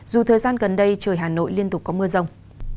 dù thời gian gần đây trời hà nội liên tục có mưa rông